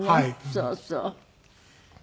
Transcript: そうそう。